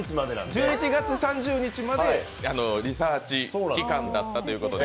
１１月３０日までリサーチ期間だったということで。